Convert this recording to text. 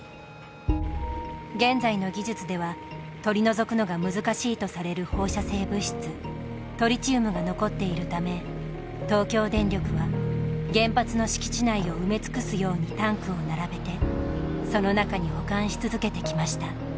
現在の技術では取り除くのが難しいとされる放射性物質「トリチウム」が残っているため東京電力は原発の敷地内を埋め尽くすようにタンクを並べてその中に保管し続けてきました。